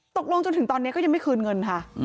จนถึงตอนนี้ก็ยังไม่คืนเงินค่ะ